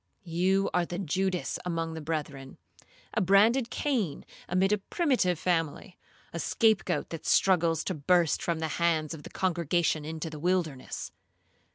You are the Judas among the brethren; a branded Cain amid a primitive family; a scape goat that struggles to burst from the hands of the congregation into the wilderness.